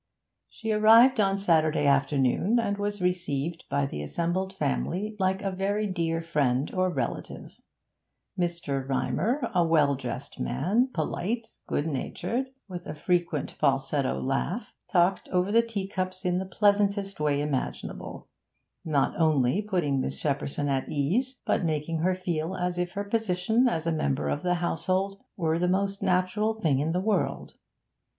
She arrived on Saturday afternoon, and was received by the assembled family like a very dear friend or relative. Mr. Rymer, a well dressed man, polite, good natured, with a frequent falsetto laugh, talked over the teacups in the pleasantest way imaginable, not only putting Miss Shepperson at ease, but making her feel as if her position as a member of the household were the most natural thing in the world.